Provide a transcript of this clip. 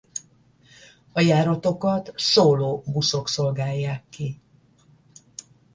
A járatokat szóló buszok szolgálják ki.